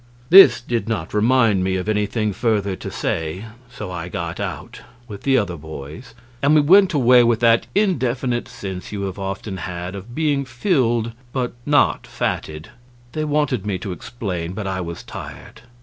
This did not remind me of anything further to say, so I got out, with the other boys, and we went away with that indefinite sense you have often had of being filled but not fatted. They wanted me to explain, but I was tired.